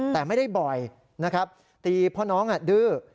แต่ไม่ได้บ่อยนะครับตีเพราะน้องดื้อ